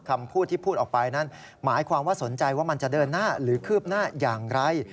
คำพูดที่พูดออกไปนั้นหมายความว่าสนใจว่ามันจะเดินหน้าหรือคืบหน้าอย่างไร